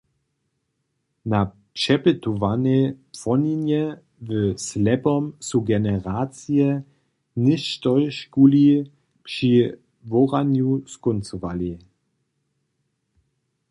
Na přepytowanej płoninje w Slepom su generacije něštožkuli při woranju skóncowali.